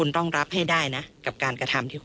ทรงดีแบบก็ได้